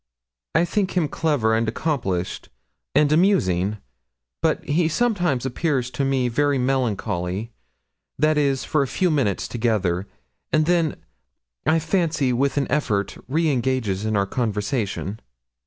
'I think him clever and accomplished, and amusing; but he sometimes appears to me very melancholy that is, for a few minutes together and then, I fancy, with an effort, re engages in our conversation.'